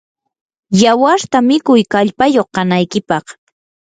yawarta mikuy kallpayuq kanaykipaq.